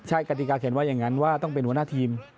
ใช่กติกาเขียนว่าอย่างนั้นว่าต้องเป็นหัวหน้าทีม